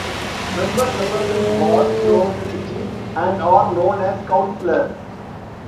Members represent wards throughout the city, and are known as councillors.